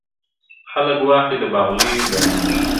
خلک واخلي د باغلیو درمندونه !.